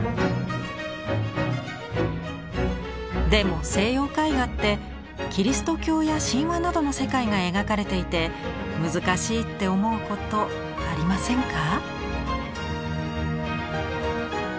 でも西洋絵画ってキリスト教や神話などの世界が描かれていて難しいって思うことありませんか？